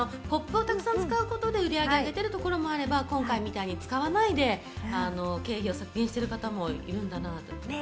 ポップをたくさん使うことで売上を上げるところもあれば、今回みたいに使わないで経費を削減している方もいるんだなって。